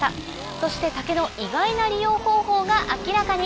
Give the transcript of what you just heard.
そして竹の意外な利用方法が明らかに？